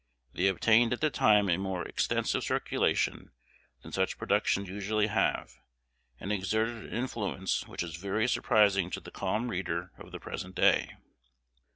They obtained at the time a more extensive circulation than such productions usually have, and exerted an influence which is very surprising to the calm reader of the present day.